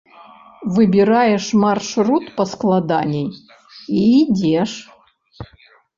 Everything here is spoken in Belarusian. Выбіраеш маршрут паскладаней і ідзеш.